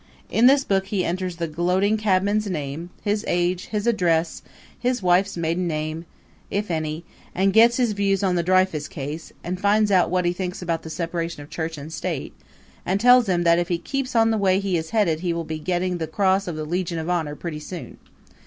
In this book he enters the gloating cabman's name, his age, his address, and his wife's maiden name, if any; and gets his views on the Dreyfus case; and finds out what he thinks about the separation of church and state; and tells him that if he keeps on the way he is headed he will be getting the cross of the Legion of Honor pretty soon.